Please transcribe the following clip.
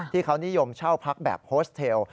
ที่เขานิยมเช่าพักแบบโฮสเทล